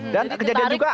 dan kejadian juga